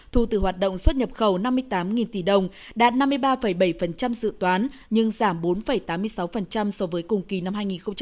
thu từ hoạt động xuất nhập khẩu năm mươi tám tỷ đồng đạt năm mươi ba bảy dự toán nhưng giảm bốn tám mươi sáu so với cùng kỳ năm hai nghìn một mươi chín